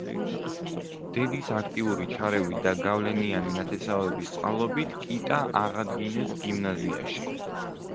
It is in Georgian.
დედის აქტიური ჩარევით და გავლენიანი ნათესავების წყალობით კიტა აღადგინეს გიმნაზიაში.